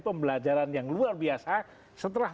pembelajaran yang luar biasa setelah